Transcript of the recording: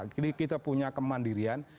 jadi kita punya kemandirian